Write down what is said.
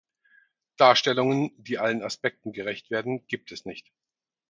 Darstellungen, die allen Aspekten gerecht werden, gibt es nicht.